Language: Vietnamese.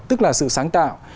tức là sự sáng tạo